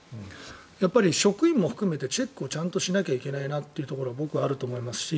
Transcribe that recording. やっぱり職員も含めてチェックをちゃんとしないといけないなというところが僕はあると思いますし